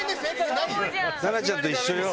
菜名ちゃんと一緒よ。